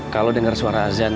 kalau denger suara azan